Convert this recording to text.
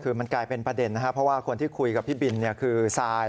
คือมันกลายเป็นประเด็นนะครับเพราะว่าคนที่คุยกับพี่บินคือซาย